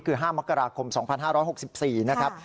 คือ๕มกราคม๒๕๖๔นะครับ